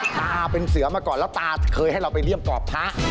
ตาเป็นเสือมาก่อนแล้วตาเคยให้เราไปเลี่ยมกรอบพระ